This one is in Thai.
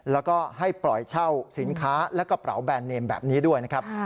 แล้วก็ให้ปล่อยเช่าสินค้าและกระเป๋าแบรนดเนมแบบนี้ด้วยนะครับ